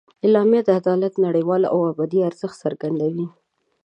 اعلامیه د عدالت نړیوال او ابدي ارزښت څرګندوي.